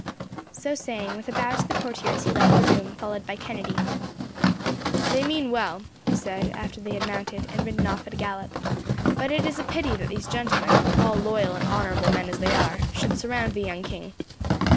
So saying, with a bow to the courtiers he left the room, followed by Kennedy. "They mean well," he said, after they had mounted, and ridden off at a gallop; "but it is a pity that these gentlemen, all loyal and honourable men as they are, should surround the young king.